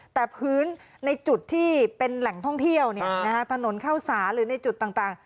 แต่พื้นในจุดที่เป็นแหล่งท่องเที่ยวถนนเข้าสาหรือในจุดต่าง